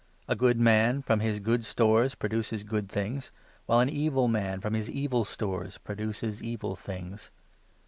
A good 35 man, from his good stores, produces good things ; while an evil man, from his evil stores, produces evil things.